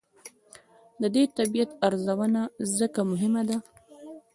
د دې طبیعت ارزونه ځکه مهمه ده.